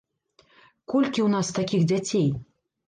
Колькі ў нас такіх дзяцей?